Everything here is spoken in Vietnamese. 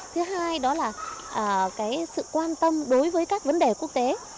thứ hai đó là sự quan tâm đối với các vấn đề quốc tế